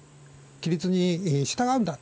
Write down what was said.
規律に従うんだと。